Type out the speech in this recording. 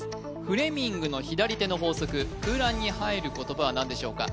フレミングの左手の法則空欄に入る言葉は何でしょうか？